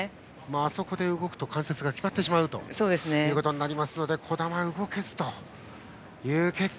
あそこで動くと関節が決まってしまうことになりますので児玉は動けず。